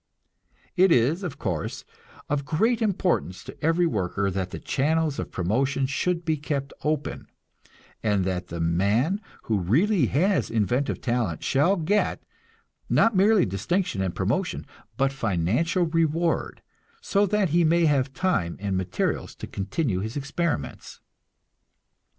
It is, of course, of great importance to every worker that the channels of promotion should be kept open, and that the man who really has inventive talent shall get, not merely distinction and promotion, but financial reward, so that he may have time and materials to continue his experiments.